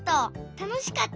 たのしかった！」